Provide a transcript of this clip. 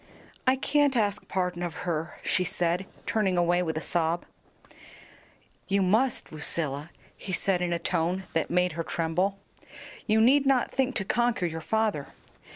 "I can't ask pardon of her," she said, turning away with a sob. "You must, Lucilla," he said in a tone that made her tremble. "You need not think to conquer your father.